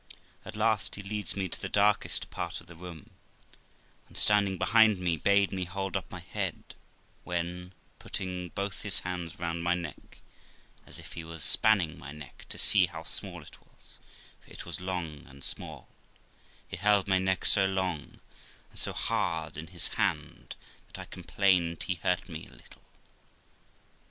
At last he leads me to the darkest part of the room, and standing behind me, bade me hold up my head, when, putting both his hands round my neck, as if he was spanning my neck to see how small it was, for it was long and small, he held my neck so long and so hard in his hand that I complained he hurt me a little.